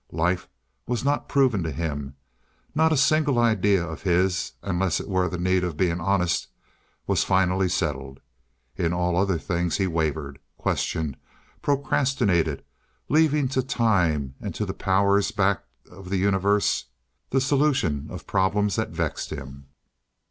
Life was not proved to him. Not a single idea of his, unless it were the need of being honest, was finally settled. In all other things he wavered, questioned, procrastinated, leaving to time and to the powers back of the universe the solution of the problems that vexed him.